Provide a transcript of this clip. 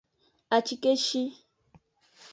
Acikeshi.